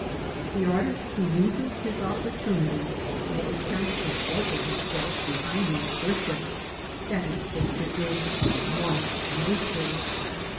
The artist who loses his opportunity may attempt to shelter himself behind the assertion that his picture is like Nature.